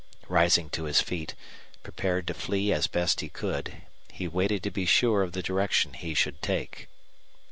Rising to his feet, prepared to flee as best he could, he waited to be sure of the direction he should take.